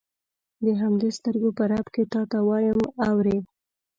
د همدې سترګو په رپ کې تا ته وایم اورې.